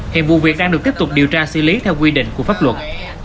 hiện vụ việc đang được tiếp tục điều tra xử lý theo quy định của pháp luật